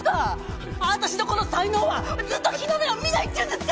私のこの才能はずっと日の目を見ないって言うんですか！？